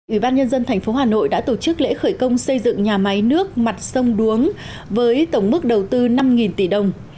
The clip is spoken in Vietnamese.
ủy ban nhân dân tp hà nội đã tổ chức lễ khởi công xây dựng nhà máy nước mặt sông đuống với tổng mức đầu tư năm tỷ đồng